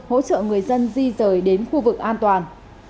hỗ trợ người dân di rời đến khu vực an toàn